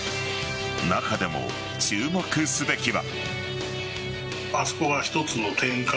中でも注目すべきは。